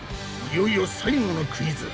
いよいよ最後のクイズ。